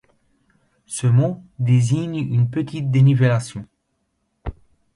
Ce mot désigne une petite dénivellation.